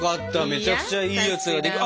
めちゃくちゃいいやつができ。